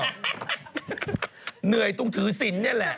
เหนื่อยตรงถือศิลป์นี่แหละ